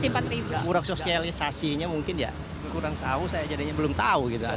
murah sosialisasinya mungkin ya kurang tahu saya jadinya belum tahu